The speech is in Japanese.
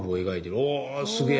おすげえ。